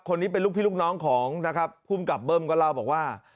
คนนี้เป็นลูกพี่ลูกน้องของนะครับภูมิกับเบิ้มก็เล่าบอกว่า